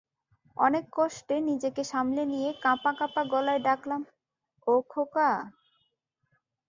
অনেক কষ্টে নিজেকে সামলে নিয়ে কাঁপা-কাঁপা গলায় ডাকলাম, ও খোকা!